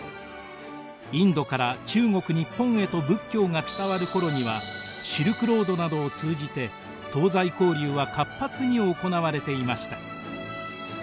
インドから中国日本へと仏教が伝わる頃にはシルクロードなどを通じて東西交流は活発に行われていました。